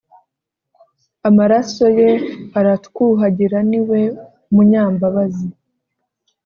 Amaraso ye aratwuhagira niwe munyambabazi